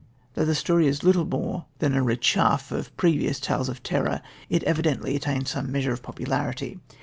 Though the story is little more than a réchauffé of previous tales of terror, it evidently attained some measure of popularity.